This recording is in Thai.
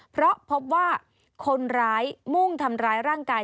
เพราะพบว่าคนร้ายมุ่งทำร้ายร่างกาย